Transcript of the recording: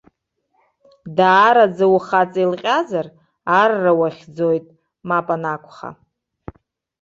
Даараӡа ухаҵа еилҟьазар, арра уахьӡоит, мап анакәха.